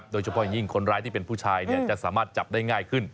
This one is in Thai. โดยเฉพาะยิ่งคนร้ายที่เป็นผู้ชายจะสามารถจับได้ง่ายขึ้น